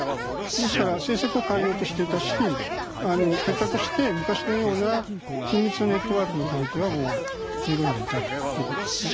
ですから政策を変えようとしていたし結果として昔のような緊密なネットワークの関係はもう緩んでいたということですね。